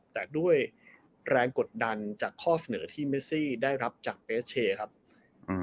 แต่ด้วยแรงกดดันจากข้อเสนอที่เมซี่ได้รับจากเอสเชครับอืม